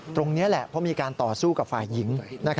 ตรงนี้แหละเพราะมีการต่อสู้กับฝ่ายหญิง